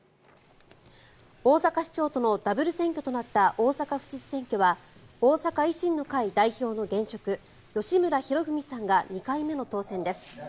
大阪市長とのダブル選挙となった大阪府知事選挙は大阪維新の会代表の現職吉村洋文さんが２回目の当選です。